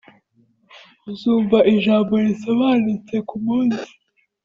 uzumva ijambo risobanutse nkumunsi